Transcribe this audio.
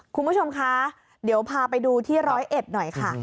คุณผู้ชมคะเดี๋ยวพาไปดูที่๑๐๑หน่อยค่ะ